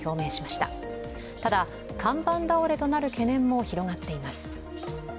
ただ、看板倒れとなる懸念も広がっています。